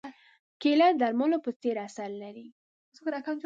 کېله د درملو په څېر اثر لري.